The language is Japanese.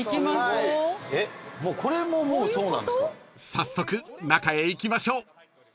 ［早速中へ行きましょう］